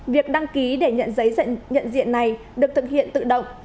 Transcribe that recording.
việc đăng ký để nhận giấy nhận diện này được thực hiện tự động